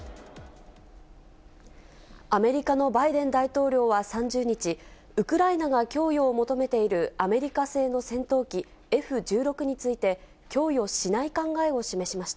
アメリカのバイデン大統領は３０日、ウクライナが供与を求めているアメリカ製の戦闘機、Ｆ１６について、供与しない考えを示しました。